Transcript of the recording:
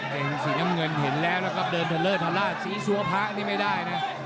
เจนสีน้ำเงินเห็นแล้วนะครับเดินเทอร์เลอร์ธรรมราชสีซัวร์พระนี่ไม่ได้นะ